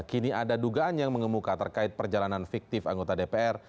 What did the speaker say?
kini ada dugaan yang mengemuka terkait perjalanan fiktif anggota dpr